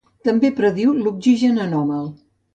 També prediu l'oxigen anòmal.